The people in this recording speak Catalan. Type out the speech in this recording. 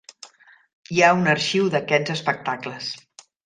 Hi ha un arxiu d'aquests espectacles.